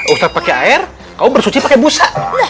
ustadz pakai air kamu bersuci pakai busa